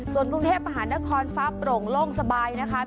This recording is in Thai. ส่วนกรุงเทพมหานครฟ้าโปร่งโล่งสบายนะคะ